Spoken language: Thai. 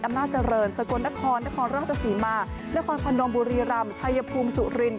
อำนาจเจริญสกลนครนครราชศรีมานครพนมบุรีรำชัยภูมิสุรินท